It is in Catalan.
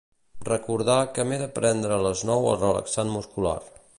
Recordar que m'he de prendre a les nou el relaxant muscular.